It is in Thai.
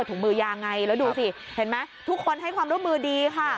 ถุงมือยางไงแล้วดูสิเห็นไหมทุกคนให้ความร่วมมือดีค่ะ